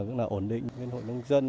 với nông dân về cây giống